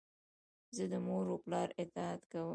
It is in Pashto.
زه د مور و پلار اطاعت کوم.